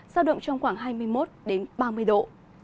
giao động trong khoảng hai mươi một ba mươi độ